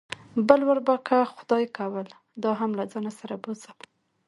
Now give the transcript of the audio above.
بل وار به که خدای کول دا هم له ځان سره بوځم.